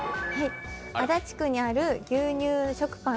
足立区にある牛乳食パン